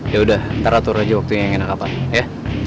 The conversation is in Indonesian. yaudah ntar atur aja waktunya yang enak apa ya